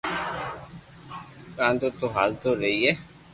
گاڌو تو ھالتو رڄئي